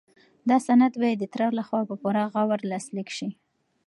دا سند باید د تره لخوا په پوره غور لاسلیک شي.